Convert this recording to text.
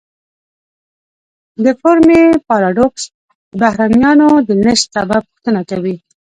د فرمی پاراډوکس د بهرنیانو د نشت سبب پوښتنه کوي.